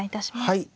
はい。